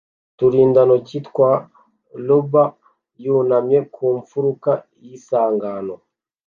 uturindantoki twa rubber yunamye ku mfuruka y’isangano